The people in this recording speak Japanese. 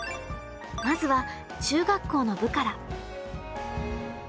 まずは中学校の部から。